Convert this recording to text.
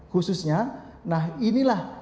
khususnya nah inilah